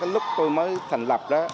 lúc tôi mới thành lập đó